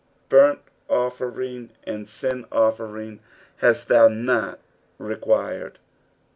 "Bamt offering and nn offering Hatt thou not required.'